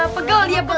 pegel dia pegel